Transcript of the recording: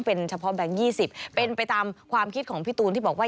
เป็นไปตามความคิดของพี่ตูนที่บอกว่า